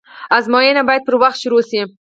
آزموينه بايد پر وخت شروع سي.